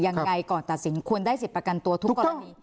ยังไงก่อนตัดสินควรได้สิทธิ์ประกันตัวทุกกรณี